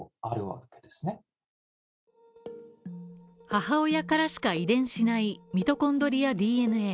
母親からしか遺伝子しないミトコンドリアＤＮＡ。